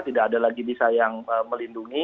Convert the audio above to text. tidak ada lagi bisa yang melindungi